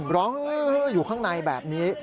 ร้องอยู่ข้างในแบบนี้